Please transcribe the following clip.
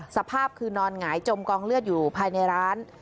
สภาพคือนอนหงายจมกองเลือดอยู่ภายในร้าน